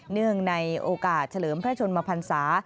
เนื่องในโอกาสเฉลิมพระชนมพันศา